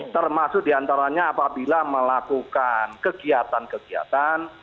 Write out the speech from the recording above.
termasuk diantaranya apabila melakukan kegiatan kegiatan